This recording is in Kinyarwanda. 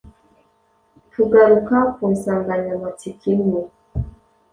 tugaruka ku nsanganyamatsiko imwe